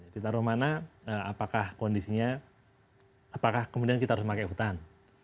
ditaruh mana apakah kondisinya apakah kemudian kita harus pakai hutan